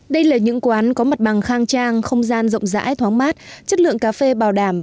đây là những quán có mặt bằng khang trang không gian rộng rãi thoáng mát chất lượng cà phê bảo đảm